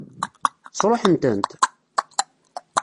Sṛuḥen-tent?